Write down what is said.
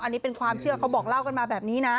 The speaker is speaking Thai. อันนี้เป็นความเชื่อเขาบอกเล่ากันมาแบบนี้นะ